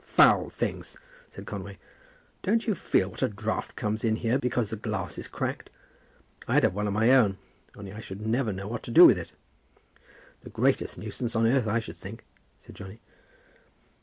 "Foul things," said Conway. "Don't you feel what a draught comes in here because the glass is cracked. I'd have one of my own, only I should never know what to do with it." "The greatest nuisance on earth, I should think," said Johnny.